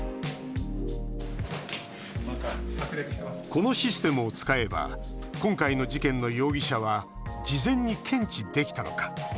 このシステムを使えば今回の事件の容疑者は事前に検知できたのか。